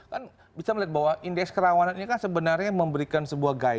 kan bisa melihat bahwa indeks kerawanan ini kan sebenarnya memberikan sebuah guide